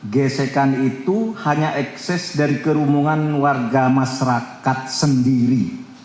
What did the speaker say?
gesekan itu hanya ekses dari kerumungan warga masyarakat sendiri